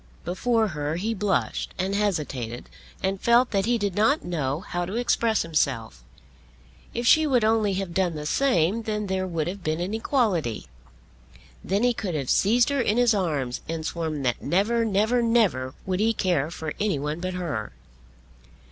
Before her he blushed and hesitated and felt that he did not know how to express himself. If she would only have done the same, then there would have been an equality. Then he could have seized her in his arms and sworn that never, never, never would he care for any one but her.